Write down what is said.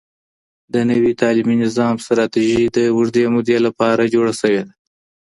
د نوي تعلیمي نظام ستراتیژي د اوږدې مودې لپاره جوړه سوي ده؟